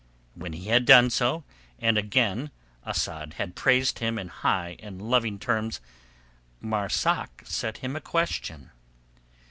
When he had done so, and again Asad had praised him in high and loving terms, Marzak set him a question.